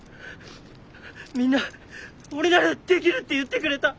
みんな俺ならできるって言ってくれた。